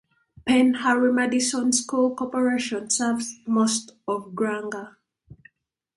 Penn-Harris-Madison School Corporation serves most of Granger.